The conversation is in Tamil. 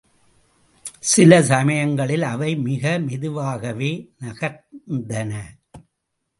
சில சமயங்களில் அவை மிக மெதுவாகவே நகர்ந்தன.